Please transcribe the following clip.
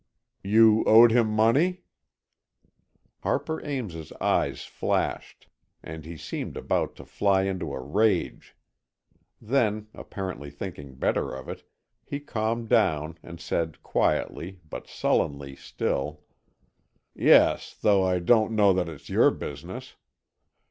"You owed him money?" Harper Ames's eyes flashed, and he seemed about to fly into a rage. Then, apparently thinking better of it, he calmed down and said, quietly, but sullenly still: "Yes, though I don't know that it's your business.